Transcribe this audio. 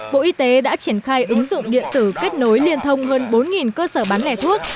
bộ y tế đã triển khai ứng dụng điện tử kết nối liên thông hơn bốn cơ sở bán lẻ thuốc